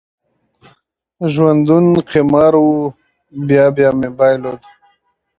ژوندون قمار و، بیا بیا مې بایلود